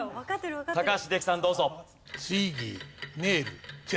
高橋英樹さんどうぞ。